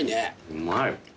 うまい。